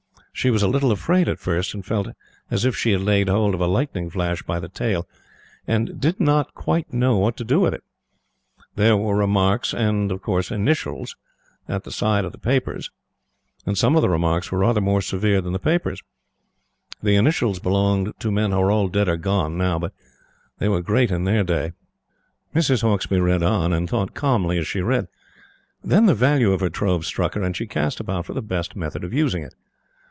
She was a little afraid at first, and felt as if she had laid hold of a lightning flash by the tail, and did not quite know what to do with it. There were remarks and initials at the side of the papers; and some of the remarks were rather more severe than the papers. The initials belonged to men who are all dead or gone now; but they were great in their day. Mrs. Hauksbee read on and thought calmly as she read. Then the value of her trove struck her, and she cast about for the best method of using it.